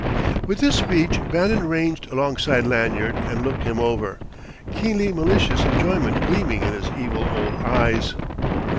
With this speech Bannon ranged alongside Lanyard and looked him over, keenly malicious enjoyment gleaming in his evil old eyes.